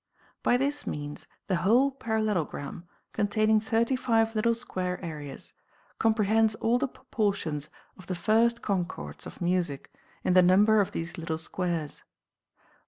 C D By this means the whole parallelo gram, containing thirty five little square areas, compre hends all the proportions of the first concords of music in the number of these little squares.